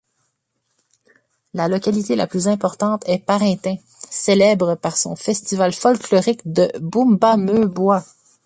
La localité la plus importante est Parintins, célèbre par son festival folklorique de Bumba-meu-boi.